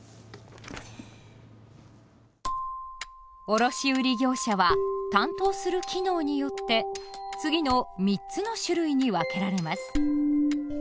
卸売業者は担当する機能によって次の三つの種類に分けられます。